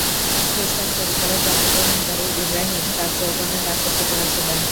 খ্রিস্টান পরিবারে জন্মগ্রহণকারী ইব্রাহিম তার যৌবনে দাসত্ব করেছিলেন।